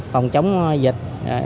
phòng chống dịch